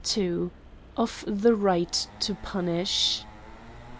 Of the Bight to punish.